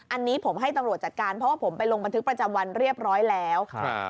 อันนี้ผมให้ตำรวจจัดการเพราะว่าผมไปลงบันทึกประจำวันเรียบร้อยแล้ว